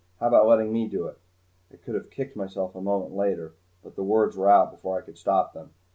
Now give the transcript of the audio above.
"How about letting me do it?" I could have kicked myself a moment later, but the words were out before I could stop them.